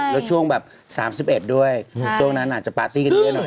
แล้วช่วงแบบ๓๑ด้วยช่วงนั้นอาจจะปาร์ตี้กันเยอะหน่อย